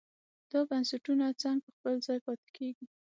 دا بنسټونه څنګه په خپل ځای پاتې کېږي.